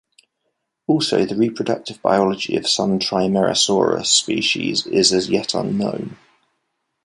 Also, the reproductive biology of some "Trimeresurus" species is as yet unknown.